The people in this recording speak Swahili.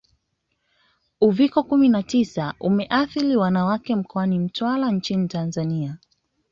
Uviko kumi na tisa umeathiri Wanawake mkoani Mtwara nchini Tanzania